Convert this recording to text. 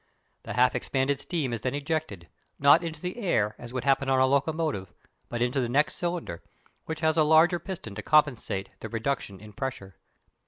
The half expanded steam is then ejected, not into the air as would happen on a locomotive, but into the next cylinder, which has a larger piston to compensate the reduction of pressure.